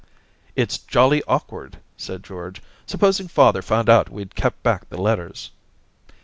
* It's jolly awkward/ said George. * Sup posing father found out we'd kept back the letters